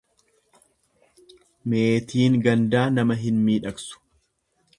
Meetiin gandaa nama hin miidhagsu.